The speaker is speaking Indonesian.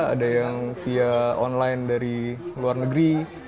ada yang via online dari luar negeri